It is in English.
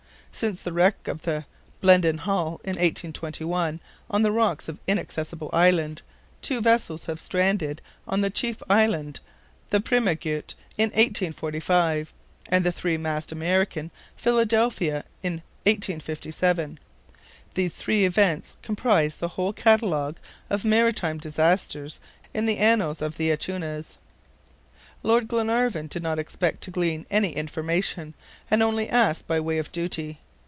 Since the wreck of the Blendon Hall in 1821, on the rocks of Inaccessible Island, two vessels have stranded on the chief island the PRIMANGUET in 1845, and the three mast American, PHILADELPHIA, in 1857. These three events comprise the whole catalogue of maritime disasters in the annals of the Acunhas. Lord Glenarvan did not expect to glean any information, and only asked by the way of duty.